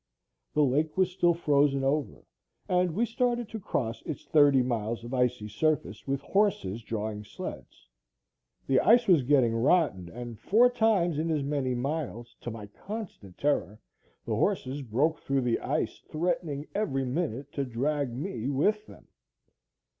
The lake was still frozen over and we started to cross its thirty miles of icy surface with horses drawing sleds. The ice was getting rotten and four times in as many miles, to my constant terror, the horses broke through the ice, threatening every minute to drag me with them.